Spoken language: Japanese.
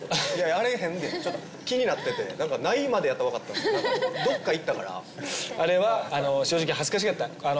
あれ変でちょっと気になってて何か「ない」までやったら分かったんすけどどっか行ったからあれはあの正直恥ずかしかった！